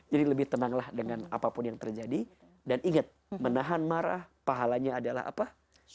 jadi lebih tenanglah dengan apapun yang terjadi dan inget menahan marah pahalanya adalah apa